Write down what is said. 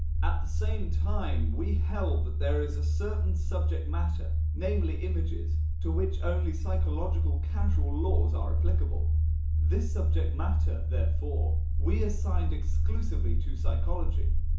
At the same time we held that there is a certain subject matter, namely images, to which only psychological causal laws are applicable; this subject matter, therefore, we assigned exclusively to psychology.